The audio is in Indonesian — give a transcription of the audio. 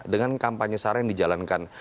dengan kampanye seharian dijalankan